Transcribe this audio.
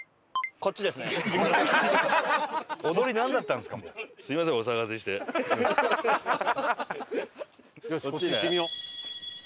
こっち行ってみよう。